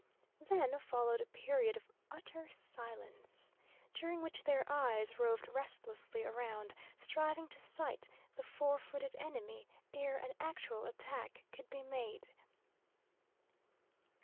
Then followed a period of utter silence, during which their eyes roved restlessly around, striving to sight the four footed enemy ere an actual attack could be made.